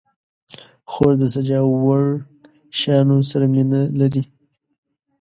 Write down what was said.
خور د سجاوړ شیانو سره مینه لري.